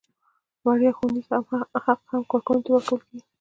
وړیا ښوونیز حق هم کارکوونکي ته ورکول کیږي.